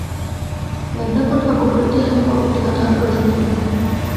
মেঘনাদবধ কাব্য পড়িতে হেমবাবুর টীকা তাহার প্রয়োজন হইত না।